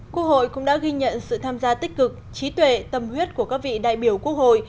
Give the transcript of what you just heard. quốc hội cũng đã ghi nhận sự tham gia tích cực trí tuệ tâm huyết của các vị đại biểu quốc hội